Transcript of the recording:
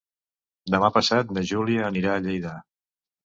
Demà passat na Júlia anirà a Lleida.